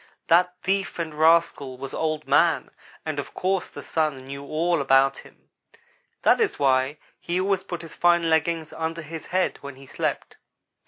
That thief and rascal was Old man, and of course the Sun knew all about him. That is why he always put his fine leggings under his head when he slept.